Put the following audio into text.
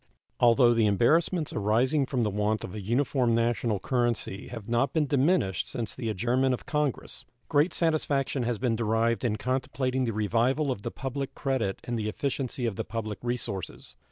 Although the embarrassments arising from the want of an uniform national currency have not been diminished since the adjournment of Congress, great satisfaction has been derived in contemplating the revival of the public credit and the efficiency of the public resources.